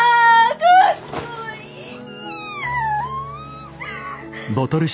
かっこいい！